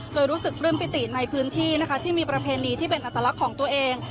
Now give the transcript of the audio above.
เลยรู้สึกพลึ่มพลิเตียงตรงในพื้นที่ที่มีประเพณีที่เป็นอาตลักษณ์ของตัวเอง